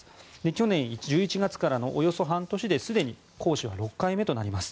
去年１１月からのおよそ半年ですでに行使は６回目となります。